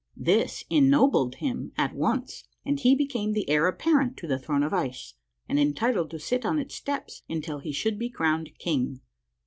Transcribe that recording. This ennobled him at once, and he became the heir apparent to the throne of ice, and entitled to sit on its steps until he should be crowned king.